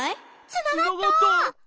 つながった！